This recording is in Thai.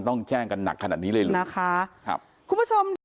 ต้องแจ้งกันหนักขนาดนี้เลยเลย